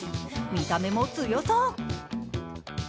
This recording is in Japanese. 見た目も強そう。